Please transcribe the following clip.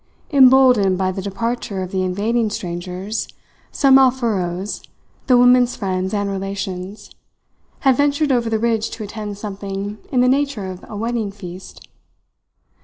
Emboldened by the departure of the invading strangers, some Alfuros, the woman's friends and relations, had ventured over the ridge to attend something in the nature of a wedding feast.